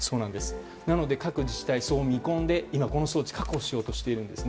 各自治体はそう見込んで今、この装置を確保しようとしているんです。